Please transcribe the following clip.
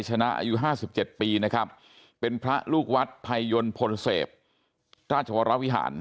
ชนะอายุห้าสิบเจ็ดปีนะครับเป็นพระลูกวัดภัยยนต์พลเสพราชวรวิหาร